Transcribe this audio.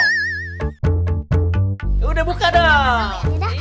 udah buka dong